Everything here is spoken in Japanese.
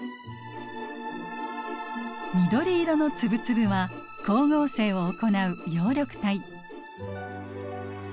緑色の粒々は光合成を行う葉緑体。